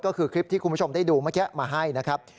ก็คือคลิปที่คุณผู้ชมได้ดูเมื่อกี้มาให้นะครับ